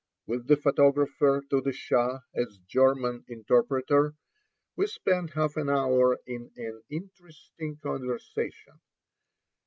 With the photographer to the Shah as German interpreter, we spent half an hour in an interesting conversation.